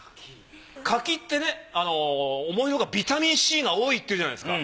柿ってね思いのほかビタミンＣが多いっていうじゃないですか。